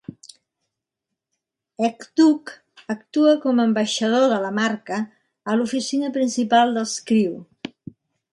Hejduk actua com "ambaixador de la marca" a l'oficina principal dels Crew.